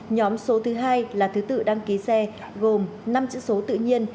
nhóm số thứ hai là thứ tự đăng ký xe gồm năm chữ số tự nhiên